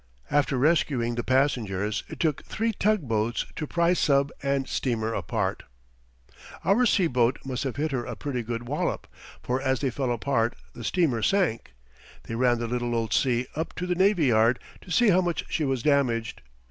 After rescuing the passengers it took three tugboats to pry sub and steamer apart. Our C boat must have hit her a pretty good wallop, for as they fell apart the steamer sank. They ran the little old C up to the navy yard to see how much she was damaged.